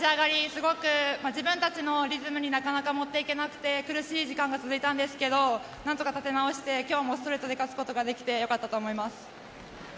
すごく自分たちのリズムになかなか持っていけなくて苦しい時間帯が続いたんですが何とか立て直して今日もストレートで勝つことができて良かったと思います。